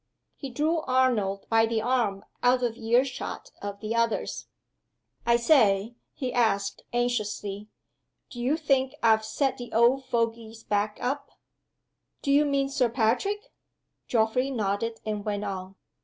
He drew Arnold by the arm out of ear shot of the others. "I say!" he asked, anxiously. "Do you think I've set the old fogy's back up?" "Do you mean Sir Patrick?" Geoffrey nodded, and went on.